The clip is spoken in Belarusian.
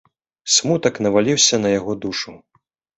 Смутак наваліўся на яго душу.